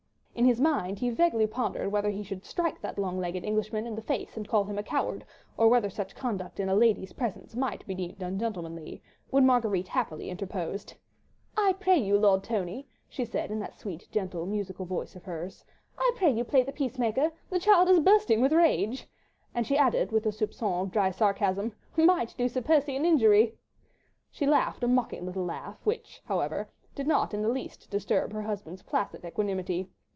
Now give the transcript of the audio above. In his mind he vaguely pondered whether he should strike that long legged Englishman in the face and call him a coward, or whether such conduct in a lady's presence might be deemed ungentlemanly, when Marguerite happily interposed. "I pray you, Lord Tony," she said in that gentle, sweet, musical voice of hers, "I pray you play the peacemaker. The child is bursting with rage, and," she added with a soupçon of dry sarcasm, "might do Sir Percy an injury." She laughed a mocking little laugh, which, however, did not in the least disturb her husband's placid equanimity.